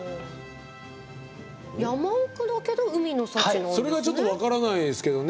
山奥だけど海の幸なんですね？